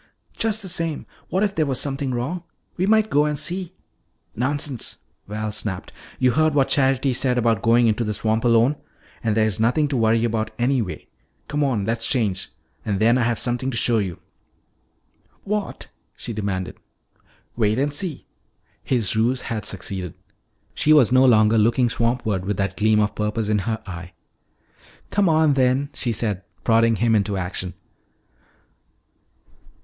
"Just the same, what if there were something wrong? We might go and see." "Nonsense!" Val snapped. "You heard what Charity said about going into the swamp alone. And there is nothing to worry about anyway. Come on, let's change. And then I have something to show you." "What?" she demanded. "Wait and see." His ruse had succeeded. She was no longer looking swampward with that gleam of purpose in her eye. "Come on then," she said, prodding him into action.